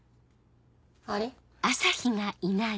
あれ？